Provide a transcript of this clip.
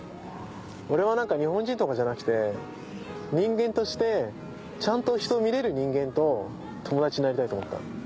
俺は何か日本人とかじゃなくて人間としてちゃんと人を見れる人間と友達になりたいと思ったの。